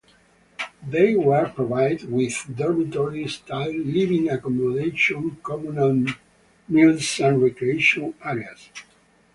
They were provided with dormitory-style living accommodation, communal meals and recreation areas.